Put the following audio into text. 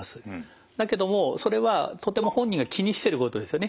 だけどもそれはとても本人が気にしてることですよね。